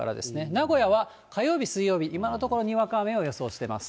名古屋は火曜日、水曜日、今のところにわか雨を予想しています。